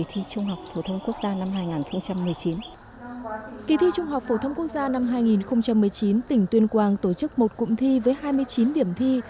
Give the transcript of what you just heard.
kỳ thi trung học phổ thông quốc gia năm hai nghìn một mươi chín tỉnh tuyên quang tổ chức một cụm thi với hai mươi chín điểm thi